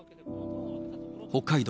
北海道